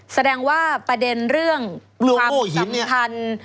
แสดงว่าประเด็นเรื่องความสัมพันธ์